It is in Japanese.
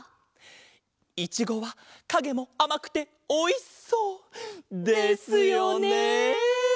いちごはかげもあまくておいしそう！ですよね。